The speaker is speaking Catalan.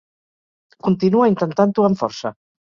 Continua intentant-ho amb força.